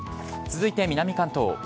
続いて南関東。